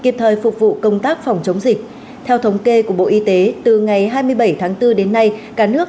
bởi vì người dân